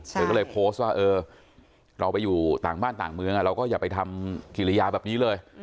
เธอก็เลยโพสต์ว่าเออเราไปอยู่ต่างบ้านต่างเมืองเราก็อย่าไปทำกิริยาแบบนี้เลย